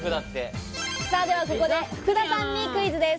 では、ここで福田さんにクイズです。